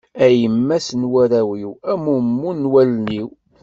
A yemma-s n warraw-iw, a mumu n wallen-iw.